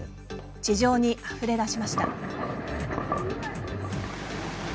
地上にあふれ出しました。